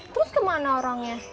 terus kemana orangnya